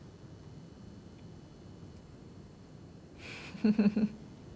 フフフフフ。